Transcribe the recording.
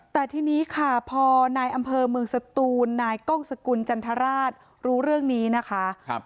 แต่ทีนี้ค่ะพอนายอำเภอเมืองสตูนนายกล้องสกุลจันทราชรู้เรื่องนี้นะคะ